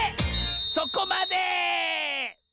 そこまで！